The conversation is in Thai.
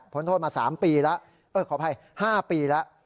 พ้นโทษมา๓ปีแล้วเอ้ยขออภัย๕ปีแล้ว